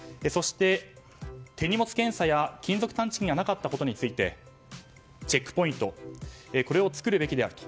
手荷物検査や金属探知機がなかったことについてチェックポイントこれを作るべきだと。